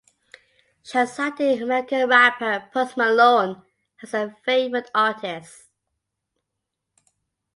She has cited American rapper Post Malone as her favourite artist.